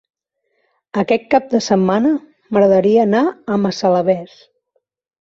Aquest cap de setmana m'agradaria anar a Massalavés.